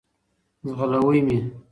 ځغلوی مي .